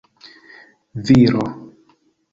viro